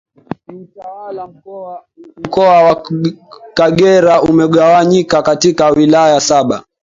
Kiutawala Mkoa wa Kagera umegawanyika katika Wilaya Saba